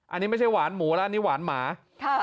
อันนี้ไม่ใช่หวานหมูแล้วอันนี้หวานหมาค่ะ